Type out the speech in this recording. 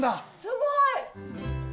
すごい！